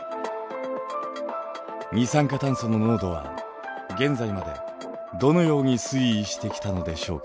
二酸化炭素の濃度は現在までどのように推移してきたのでしょうか。